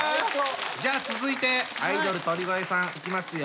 じゃあ続いてアイドル鳥越さんいきますよ。